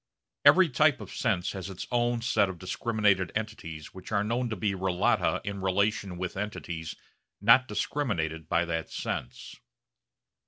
Every type of sense has its own set of discriminated entities which are known to be relata in relation with entities not discriminated by that sense.